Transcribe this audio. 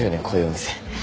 こういうお店。